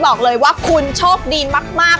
บอกเลยว่าคุณโชคดีมาก